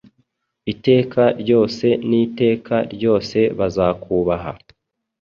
Iteka ryose niteka ryose bazakubaha